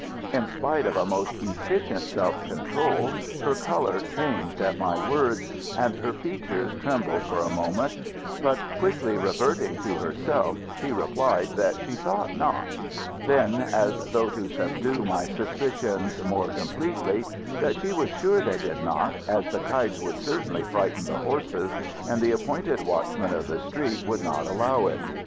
In spite of a most efficient self control her colour changed at my words, and her features trembled for a moment, but quickly reverting to herself she replied that she thought not; then as though to subdue my suspicions more completely that she was sure they did not, as the kites would certainly frighten the horses and the appointed watchmen of the street would not allow it.